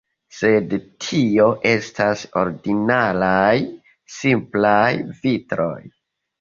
Sed tio estas ordinaraj, simplaj vitroj.